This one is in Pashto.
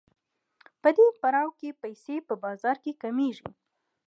په دې پړاو کې پیسې په بازار کې کمېږي